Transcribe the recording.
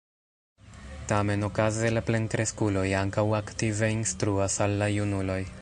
Tamen, okaze la plenkreskuloj ankaŭ aktive instruas al la junuloj.